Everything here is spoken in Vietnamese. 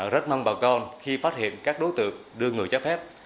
rất mong bà con khi phát hiện các đối tượng đưa người trái phép